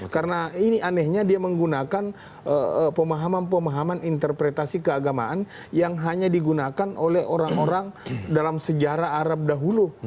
karena ini anehnya dia menggunakan pemahaman pemahaman interpretasi keagamaan yang hanya digunakan oleh orang orang dalam sejarah arab dahulu